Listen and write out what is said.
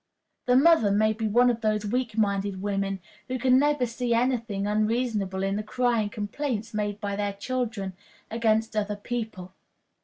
The mother may be one of those weak minded women who can never see any thing unreasonable in the crying complaints made by their children against other people.